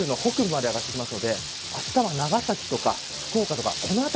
九州の北部まで上がってくるのであしたは長崎とか福岡